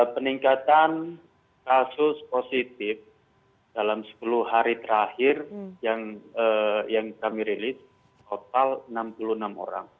peningkatan kasus positif dalam sepuluh hari terakhir yang kami rilis total enam puluh enam orang